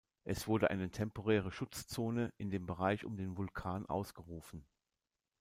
Es wurde eine temporäre Schutzzone in dem Bereich um den Vulkan ausgerufen.